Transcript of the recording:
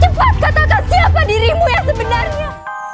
cepat katakan siapa dirimu yang sebenarnya